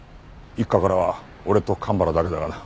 一課からは俺と蒲原だけだがな。